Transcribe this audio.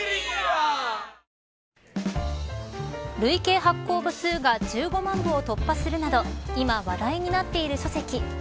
発行部数が１５万部を突破するなど今、話題になっている書籍＃